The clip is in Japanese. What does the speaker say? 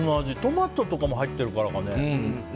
トマトとか入ってるからかね。